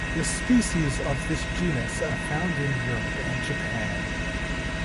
The species of this genus are found in Europe and Japan.